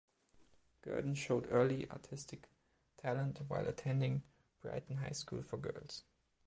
Gurdon showed early artistic talent while attending Brighton High School for Girls.